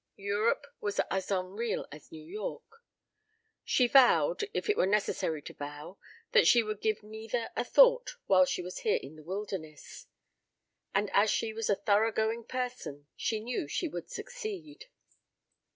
Europe was as unreal as New York. She vowed, if it were necessary to vow, that she would give neither a thought while she was here in the wilderness. And as she was a thorough going person she knew she would succeed.